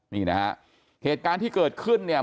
นี่นะฮะเหตุการณ์ที่เกิดขึ้นเนี่ย